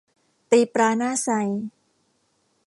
ตีปลาหน้าไซ